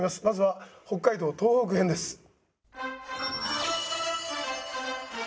まずは北海道東北編です。